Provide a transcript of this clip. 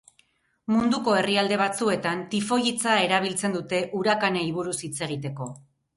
Munduko herrialde batzuetan, tifoi hitza erabiltzen dute urakanei buruz hitz egiteko.